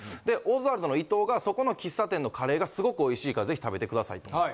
でオズワルドの伊藤がそこの喫茶店のカレーがすごく美味しいからぜひ食べてくださいと。